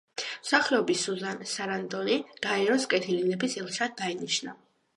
მსახიობი სუზან სარანდონი გაეროს კეთილი ნების ელჩად დაინიშნა.